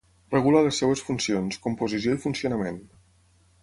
Regula les seves funcions, composició i funcionament.